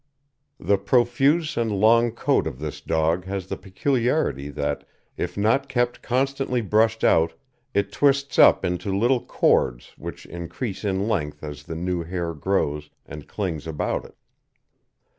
The profuse and long coat of this dog has the peculiarity that if not kept constantly brushed out it twists up into little cords which increase in length as the new hair grows and clings about it.